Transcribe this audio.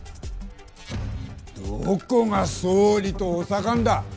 どこが総理と補佐官だ。